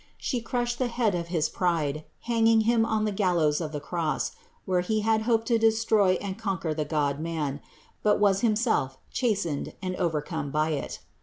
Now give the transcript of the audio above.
She crushed the head of his pride, hanging him on the gallows of the Cross, where he had hoped to destroy and conquer the Godman, but was himself chas tised and overcome by it.